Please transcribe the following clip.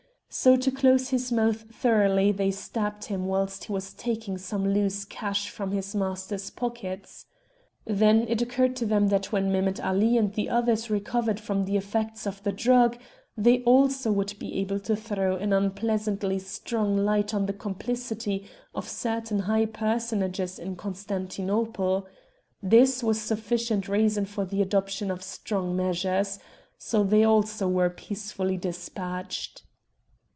So to close his mouth thoroughly they stabbed him whilst he was taking some loose cash from his master's pockets. Then it occurred to them that when Mehemet Ali and the others recovered from the effects of the drug, they also would be able to throw an unpleasantly strong light on the complicity of certain high personages in Constantinople. This was sufficient reason for the adoption of strong measures, so they also were peacefully despatched."